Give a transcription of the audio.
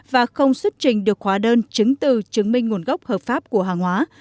và không xuất trình được khóa đơn chứng từ chứng minh nguồn gốc hợp pháp của hàng hóa